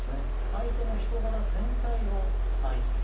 相手の人柄全体を愛する。